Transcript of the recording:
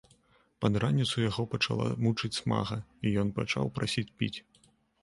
Пад раніцу яго пачала мучыць смага, і ён пачаў прасіць піць.